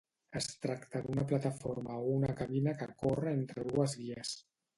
Es tracta d'una plataforma o una cabina que corre entre dues guies.